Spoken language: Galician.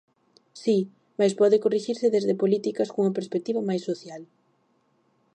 Si, mais pode corrixirse desde políticas cunha perspectiva máis social.